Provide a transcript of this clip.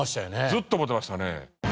ずっと思ってましたね。